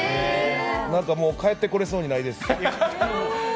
何かもう帰ってこれそうにないです。